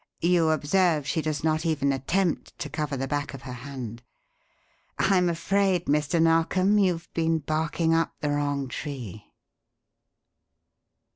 You observe she does not even attempt to cover the back of her hand. I'm afraid, Mr. Narkom, you've been barking up the wrong tree."